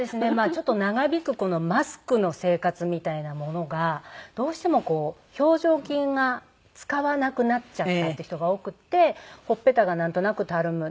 ちょっと長引くマスクの生活みたいなものがどうしてもこう表情筋が使わなくなっちゃったっていう人が多くてほっぺたがなんとなくたるむ。